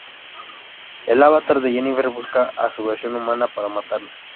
El avatar de Jennifer busca a su versión humana para matarla.